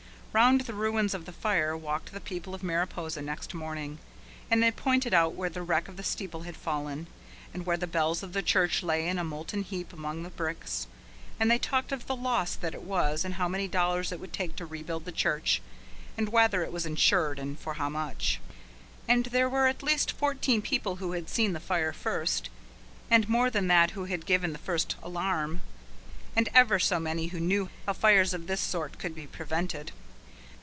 Round the ruins of the fire walked the people of Mariposa next morning, and they pointed out where the wreck of the steeple had fallen, and where the bells of the church lay in a molten heap among the bricks, and they talked of the loss that it was and how many dollars it would take to rebuild the church, and whether it was insured and for how much. And there were at least fourteen people who had seen the fire first, and more than that who had given the first alarm, and ever so many who knew how fires of this sort could be prevented.